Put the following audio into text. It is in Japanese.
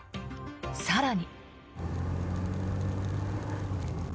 更に。